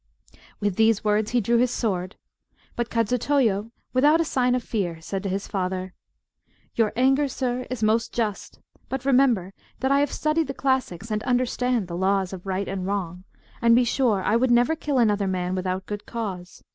With these words he drew his sword; but Kadzutoyo, without a sign of fear, said to his father "Your anger, sir, is most just; but remember that I have studied the classics and understand the laws of right and wrong, and be sure I would never kill another man without good cause.